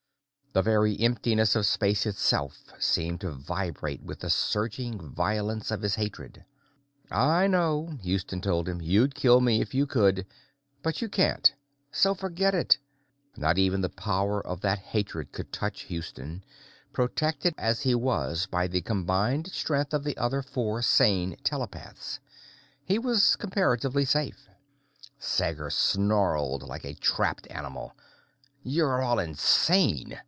The very emptiness of space itself seemed to vibrate with the surging violence of his hatred. "I know," Houston told him, "you'd kill me if you could. But you can't, so forget it." Not even the power of that hatred could touch Houston, protected as he was by the combined strength of the other four sane telepaths. He was comparatively safe. Sager snarled like a trapped animal. "You're all insane!